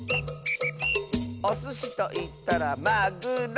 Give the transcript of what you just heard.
「おすしといったらまぐろ！」